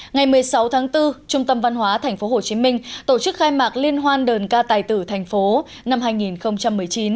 ngày một mươi sáu tháng bốn trung tâm văn hóa tp hcm tổ chức khai mạc liên hoan đờn ca tài tử thành phố năm hai nghìn một mươi chín